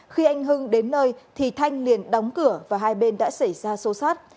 khi anh hưng đến nơi thì thanh liền đóng cửa và hai bên đã xảy ra xô xát